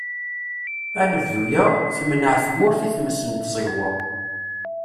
Anebdu-a, temneε tmurt i tmes n tẓegwa.